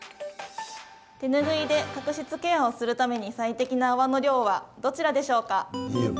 手ぬぐいで角質ケアをするために最適な泡の量はどちらでしょうか？